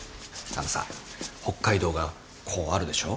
あのさ北海道がこうあるでしょ？